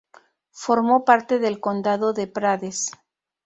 Formó parte del Condado de Prades.